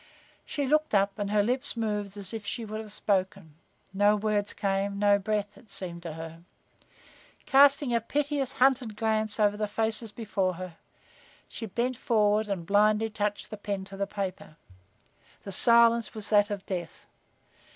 She looked up and her lips moved as if she would have spoken. No words came, no breath, it seemed to her. Casting a piteous, hunted glance over the faces before her, she bent forward and blindly touched the pen to the paper. The silence was that of death.